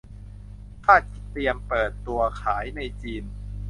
คาดเตรียมเปิดตัวขายในจีน